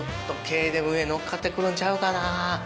上のっかって来るんちゃうかな。